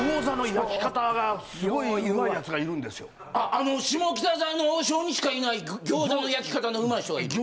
あの下北沢の王将にしかいない餃子の焼き方のうまい人がいる？